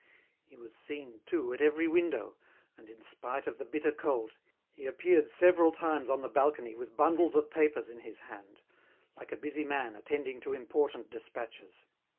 He was seen, too, at every window, and, in spite of the bitter cold, he appeared several times on the balcony with bundles of papers in his hand, like a busy man attending to important despatches.